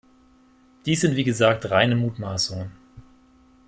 Dies sind wie gesagt reine Mutmaßungen.